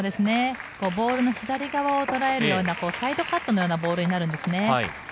ボールの左側をとらえるようなサイドカットのようなボールになるんですね。